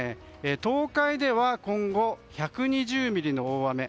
東海では今後、１２０ミリの大雨。